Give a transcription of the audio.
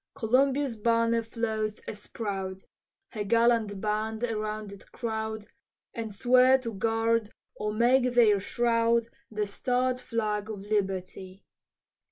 Columbia's banner floats as proud, Her gallant band around it crowd, And swear to guard or make their shroud The starred flag of liberty.